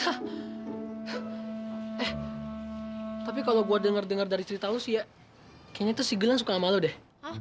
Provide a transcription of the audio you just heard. eh tapi kalau gue dengar dengar dari cerita lo sih ya kayaknya tuh si gilang suka sama lo deh